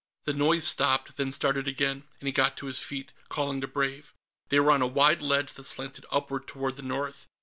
The noise stopped, then started again, and he got to his feet, calling to Brave. They were on a wide ledge that slanted upward toward the north.